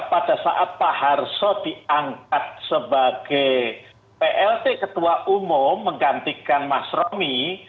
pada saat pak harso diangkat sebagai plt ketua umum menggantikan mas romi